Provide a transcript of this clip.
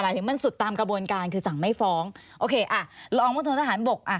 โอเคเราออกมาที่มนตรฐานบก